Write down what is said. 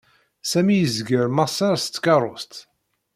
Sami yezger Maṣer s tkaṛust.